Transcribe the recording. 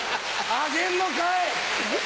あげんのかい！